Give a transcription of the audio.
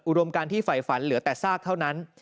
การที่ฝ่ายฝันเหลือแต่ซากเท่านั้น